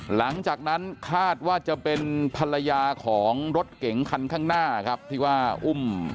หลังจากนั้นคาดว่าจะเป็นภรรยาของรถเก๋งคันข้างหน้านะครับ